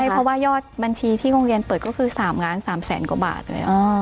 เพราะว่ายอดบัญชีที่โรงเรียนเปิดก็คือ๓ล้าน๓แสนกว่าบาทเลย